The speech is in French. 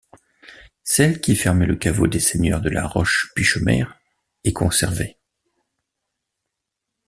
Celle qui fermait le caveau des seigneurs de la Roche-Pichemer est conservée.